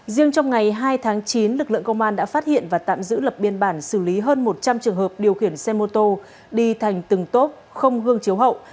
riêng trong ngày hai tháng chín lực lượng công an đã phát hiện và tạm giữ lập biên bản xử lý hơn một trăm linh trường hợp điều khiển xe mô tô đi thành từng tốp không hương chiếu hậu